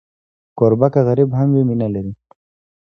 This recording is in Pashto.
کوربه که غریب هم وي، مینه لري.